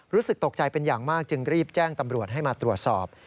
รู้สึกตกใจเป็นอย่างมากจึงรีบแจ้งตำรวจให้มาตรวจสอบ